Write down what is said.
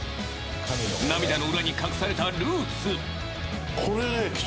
涙の裏に隠されたルーツ。